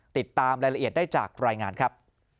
ติดตามรายละเอียดได้จากรายงานครับ